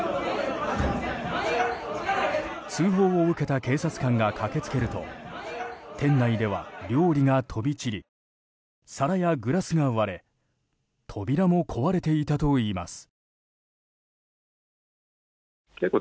通報を受けた警察官が駆け付けると店内では、料理が飛び散り皿やグラスが割れ扉も壊れていたといいます。